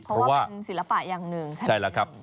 เพราะว่าเป็นศิลปะอย่างหนึ่ง